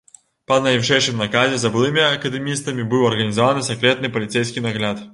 Па найвышэйшым наказе за былымі акадэмістамі быў арганізаваны сакрэтны паліцэйскі нагляд.